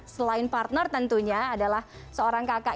selain partner tentunya adalah seorang kakak